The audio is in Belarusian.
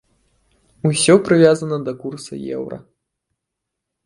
Усё прывязана да курса еўра.